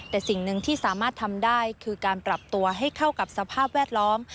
แต่สิ่งหนึ่งที่สามารถทำได้คือการปรับตัวให้เข้ากับสภาพแวดล้อม